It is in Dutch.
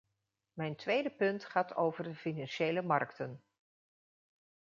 Mijn tweede punt gaat over de financiële markten.